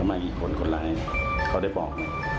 ไม่ได้บอก